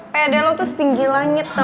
pede lo tuh setinggi langit tau gak